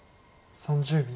３０秒。